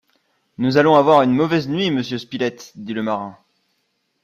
Nous allons avoir une mauvaise nuit, monsieur Spilett! dit le marin